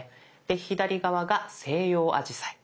で左側が西洋アジサイ。